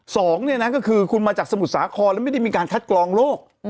สองก็คือคุณมาจากสมุดสาขอแล้วไม่ได้มีการแคล็ดกรองโรค